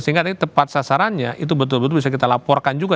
sehingga tadi tepat sasarannya itu betul betul bisa kita laporkan juga